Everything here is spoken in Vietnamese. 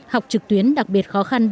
học trực tuyến đặc biệt khó khăn